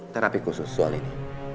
terapi khusus soal ini